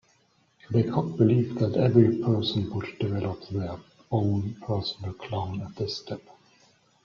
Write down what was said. Lecoq believed that every person would develop their own personal clown at this step.